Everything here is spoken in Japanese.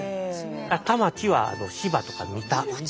田町は芝とか三田。